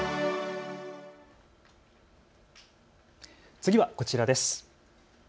次はこちらです。